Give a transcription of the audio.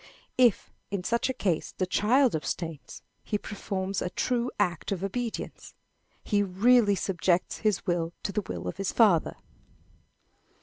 If, in such a case, the child abstains, he performs a true act of obedience. He really subjects his will to the will of his father.